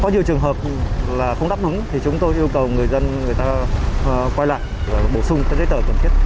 có nhiều trường hợp là không đáp ứng thì chúng tôi yêu cầu người dân người ta quay lại bổ sung các giấy tờ cần thiết